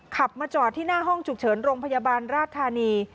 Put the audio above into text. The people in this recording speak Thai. ขับมาจอดที่หน้าห้องฉุกเฉินโรงพยาบาลราชธานี